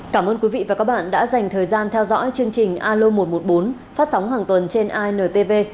cảm ơn quý vị và các bạn đã dành thời gian theo dõi chương trình alo một trăm một mươi bốn phát sóng hàng tuần trên intv